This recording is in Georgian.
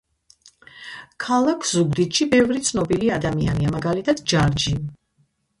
ქალაქ ზუგდიდში ბევრი ცნობილი ადამიანია მაგალითად ჯარჯი